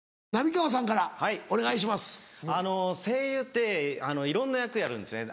声優っていろんな役やるんですよね。